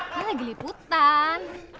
kan lagi liputan